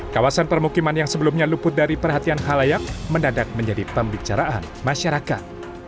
kawasan permukiman yang sebelumnya luput dari perhatian halayak mendadak menjadi pembicaraan masyarakat